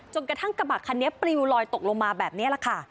กระทั่งกระบะคันนี้ปลิวลอยตกลงมาแบบนี้แหละค่ะ